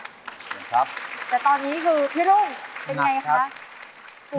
แต่ตอนนี้คือพี่รุ่งเป็นยังไงคะปูนิ่มค่ะ